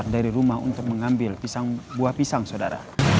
dari rumah untuk mengambil buah pisang saudara